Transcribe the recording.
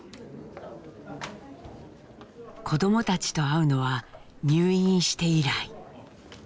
子どもたちと会うのは入院して以来。